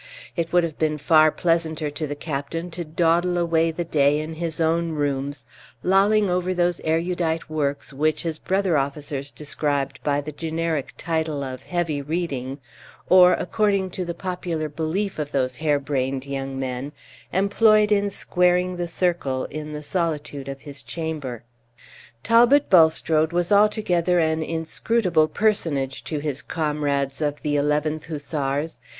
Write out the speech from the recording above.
It would have been far pleasanter to the captain to dawdle away the day in his own rooms, lolling over those erudite works which his brother officers described by the generic title of "heavy reading," or, according to the popular belief of those hare brained young men, employed in squaring the circle in the solitude of his chamber. Talbot Bulstrode was altogether an inscrutable personage to his comrades of the 11th Hussars.